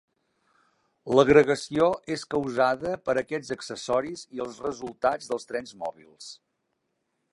L'agregació és causada per aquests accessoris i els resultats dels trens mòbils.